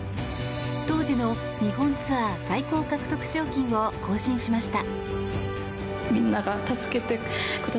当時の日本ツアー最高獲得賞金を更新しました。